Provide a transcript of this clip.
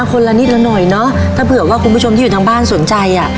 คนละนิดละหน่อยเนอะถ้าเผื่อว่าคุณผู้ชมที่อยู่ทางบ้านสนใจอ่ะ